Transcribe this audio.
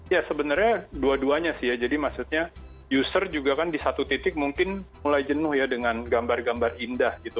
ya sebenarnya dua duanya sih ya jadi maksudnya user juga kan di satu titik mungkin mulai jenuh ya dengan gambar gambar indah gitu